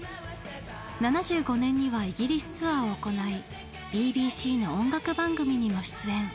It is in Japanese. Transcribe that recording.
７５年にはイギリスツアーを行いＢＢＣの音楽番組にも出演。